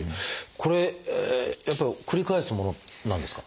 これやっぱり繰り返すものなんですか？